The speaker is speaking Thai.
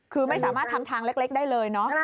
คือไม่สามารถทำทางเล็กได้เลยเนอะ